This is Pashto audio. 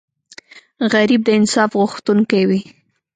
غریب د انصاف غوښتونکی وي